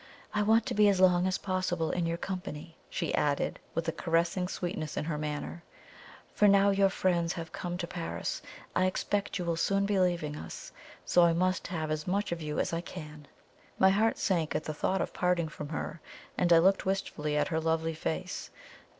"I want to be as long as possible in your company," she added, with a caressing sweetness in her manner; "for now your friends have come to Paris, I expect you will soon be leaving us, so I must have as much of you as I can." My heart sank at the thought of parting from her, and I looked wistfully at her lovely face.